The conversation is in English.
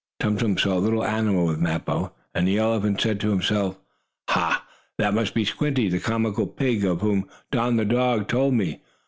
Tum Tum saw a little animal with Mappo, and the elephant said to himself: "Ha! That must be Squinty, the comical pig, of whom Don, the dog, told me.